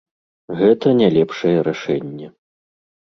Гэта не лепшае рашэнне.